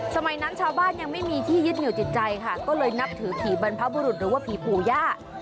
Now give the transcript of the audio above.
สมัยนั้นชาวบ้านยังไม่มีที่ยึดเหนียวจิตใจค่ะก็เลยนับถือผีบรรพบุรุษหรือว่าผีปู่ย่า